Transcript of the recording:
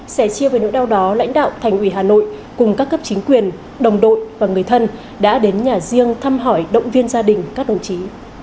sẻ chia về nỗi đau đó lãnh đạo thành ủy hà nội cùng các cấp chính quyền đồng đội và người thân đã đến nhà riêng thăm hỏi động viên gia đình các đồng chí